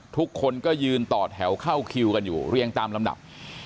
ทุกคนก็ยืนต่อแถวเข้าคิวกันอยู่เรียงตามลำดับ